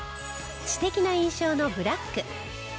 知的な印象のブラック。